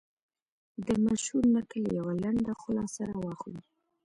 د مشهور نکل یوه لنډه خلاصه را واخلو.